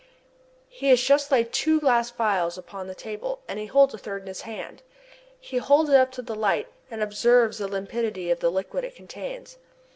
He has just laid two glass phials upon the table, and holds a third in his hand. He holds it up to the light, and observes the limpidity of the liquid it contains.